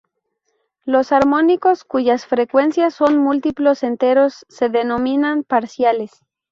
Los armónicos cuyas frecuencias son múltiplos enteros se denominan "parciales".